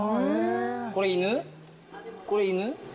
これ犬？